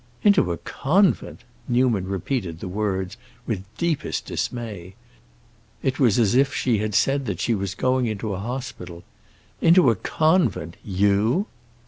"Into a convent!" Newman repeated the words with the deepest dismay; it was as if she had said she was going into an hospital. "Into a convent—you!"